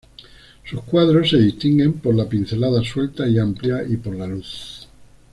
Sus cuadros se distinguen por la pincelada suelta y amplia, y por la luz.